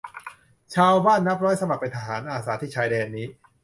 ชาวบ้านนับร้อยสมัครเป็นทหารอาสาที่ชายแดนนี้